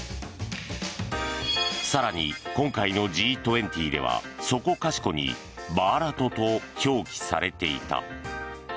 更に、今回のＧ２０ではそこかしこにバーラトと表記されていた。